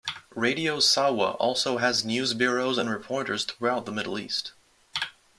Radio Sawa also has news bureaus and reporters throughout the Middle East.